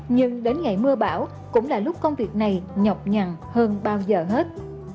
nhưng đến ngày mưa bão cũng là lúc công việc này nhọc nhằn hơn bao giờ hết